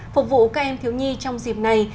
phục vụ các em thiếu nhi trong dịp này